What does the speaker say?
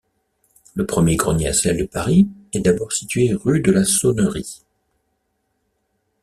Le premier grenier à sel de Paris est d'abord situé rue de la Saunerie.